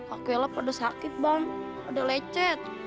aku elap ada sakit bang ada lecet